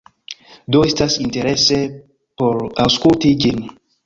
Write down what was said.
Do, estas interese por aŭskulti ĝin